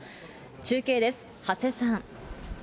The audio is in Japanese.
中継です、長谷さん。